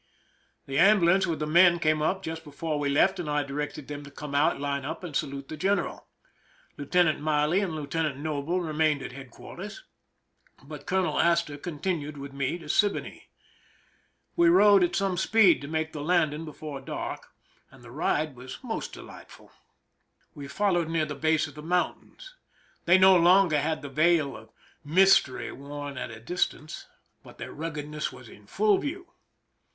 The ambulance with the men came up just before we left, and I directed them to come out, line up, and salute the general. Lieutenant I^Qley and Li€iutenant Noble remained at headquairters, but Colonel Astor continued with me to Siboney. We rode at some speed to make the landing before dai'k, and the ride was most delightful. We fol lowed near the base of the mountains. They no longer had the veil of mystery worn at a. distance, 304 PRISON LIFE THE SIEGE but their ruggedness was in full view.